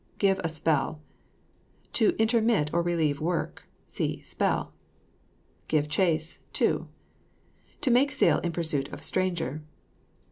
GIVE A SPELL. To intermit or relieve work. (See SPELL.) GIVE CHASE, TO. To make sail in pursuit of a stranger.